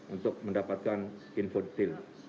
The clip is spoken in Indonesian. untuk mendapatkan info detail